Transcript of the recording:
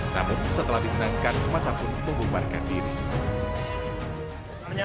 namun setelah ditenangkan masa pun membubarkan diri